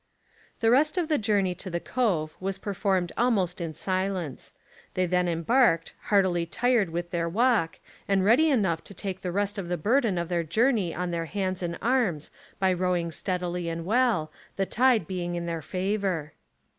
The rest of the journey to the cove was performed almost in silence; they then embarked, heartily tired with their walk, and ready enough to take the rest of the burden of their journey on their hands and arms by rowing steadily and well, the tide being in their favour.